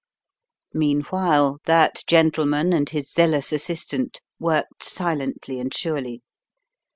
Meanwhile that gentleman and his zealous assist ant worked silently and surely.